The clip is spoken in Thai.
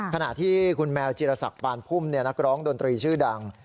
ขณะที่คุณแมวจิรษักปานพุ่มเนี่ยนักร้องดนตรีชื่อดัง